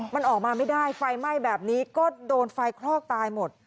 มันออกมาไม่ได้ไฟไหม้แบบนี้ก็โดนไฟคลอกตายหมด